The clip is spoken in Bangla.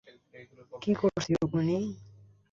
কী হয়েছে, রুকমিনি?